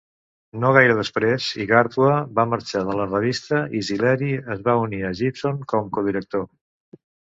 No gaire després, Igartua va marxar de la revista i Zileri es va unir a Gibson com co-director.